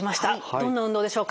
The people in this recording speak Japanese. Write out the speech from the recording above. どんな運動でしょうか。